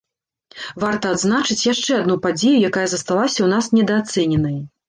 Варта адзначыць яшчэ адну падзею, якая засталася ў нас недаацэненай.